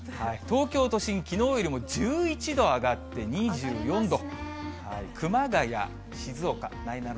東京都心、きのうよりも１１度上がって２４度。